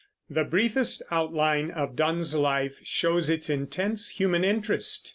The briefest outline of Donne's life shows its intense human interest.